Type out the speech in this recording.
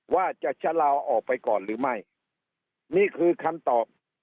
ว่าจะชะลาออกไปก่อนหรือไม่นี่คือคำตอบ